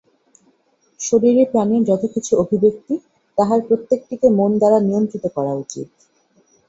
শরীরে প্রাণের যত কিছু অভিব্যক্তি, তাহার প্রত্যেকটিকে মন দ্বারা নিয়ন্ত্রিত করা উচিত।